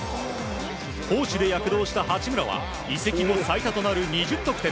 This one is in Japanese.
攻守で躍動した八村は移籍後最多となる２０得点。